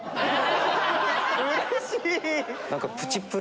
うれしい！